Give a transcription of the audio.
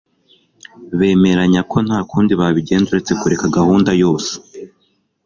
Bemeranya ko nta kundi babigenza uretse kureka gahunda yose